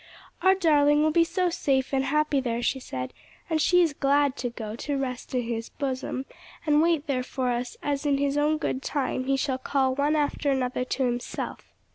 "Our darling will be so safe and happy there," she said, "and she is glad to go, to rest in his bosom, and wait there for us, as, in his own good time, he shall call one after another to himself.